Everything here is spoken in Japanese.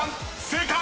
正解！］